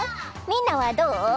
みんなはどう？